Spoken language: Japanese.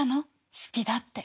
好きだって。